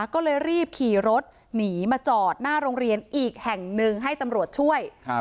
ก็เลยรีบขี่รถหนีมาจอดหน้าโรงเรียนอีกแห่งหนึ่งให้ตำรวจช่วย